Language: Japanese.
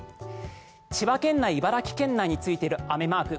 千葉県内、茨城県内についている雨マーク